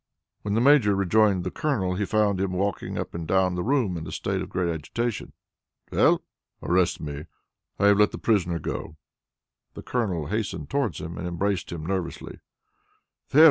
When the Major rejoined the Colonel, he found him walking up and down the room in a state of great agitation. "Well?" "Arrest me! I have let the prisoner go!" The Colonel hastened towards him, and embraced him nervously. "There!